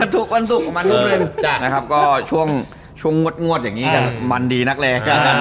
ทุกวันศุกร์มาทุกวันช่วงงวดอย่างนี้ก็มันดีนักเลย